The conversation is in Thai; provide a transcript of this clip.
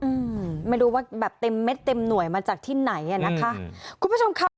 อืมไม่รู้ว่าแบบเต็มเม็ดเต็มหน่วยมาจากที่ไหนอ่ะนะคะ